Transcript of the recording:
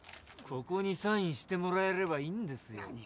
ここにサインしてもらえればいいんですよ。